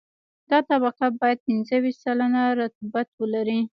دا طبقه باید پنځه ویشت سلنه رطوبت ولري